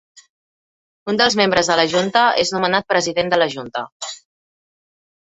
Un dels membres de la junta és nomenat president de la junta.